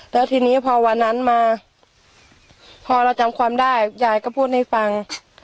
แล้วทีนี้พอวันนั้นมาพอเราจำความได้ยายก็พูดให้ฟัง